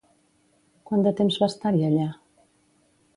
Quant de temps va estar-hi allà?